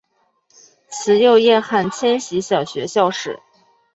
慈幼叶汉千禧小学校史